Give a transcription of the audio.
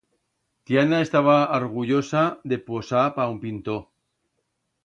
Tiana estaba argullosa de posar pa un pintor.